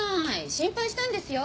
心配したんですよ。